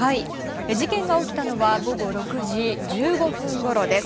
事件が起きたのは午後６時１５分ごろです。